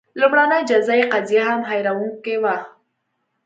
لومړنۍ جزايي قضیه هم حیرانوونکې وه.